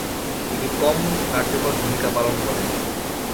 তিনি কম কার্যকর ভূমিকা পালন করেন।